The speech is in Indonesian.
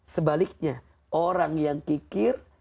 sebaliknya orang yang kikir